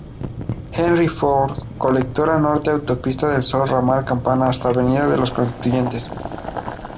Henry Ford, colectora Norte Autopistas del Sol ramal Campana hasta Av De Los Constituyentes.